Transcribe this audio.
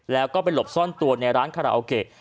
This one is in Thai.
แล้วก็ไปหลบซ่อนตัวในร้านคาราโอเกะ